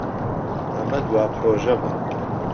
ئەمە دوا پرۆژەمە.